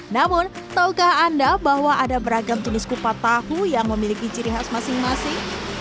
namun tahukah anda bahwa ada beragam jenis kupat tahu yang memiliki ciri khas masing masing